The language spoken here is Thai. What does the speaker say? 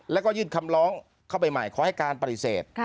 แล้วก็ยื่นคำร้องเข้าไปใหม่ขอให้การปฏิเสธ